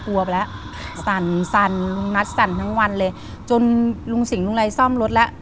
ไปแล้วสั่นสั่นลุงนัทสั่นทั้งวันเลยจนลุงสิงหลุงไรซ่อมรถแล้ว